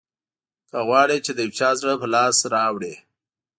که غواړې چې د یو چا زړه په لاس راوړې.